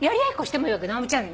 「直美ちゃん